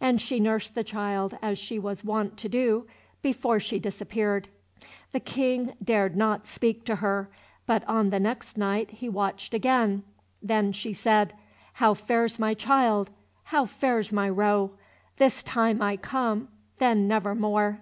And she nursed the child as she was wont to do before she disappeared. The King dared not speak to her, but on the next night he watched again. Then she said— "How fares my child, how fares my roe? This time I come, then never more."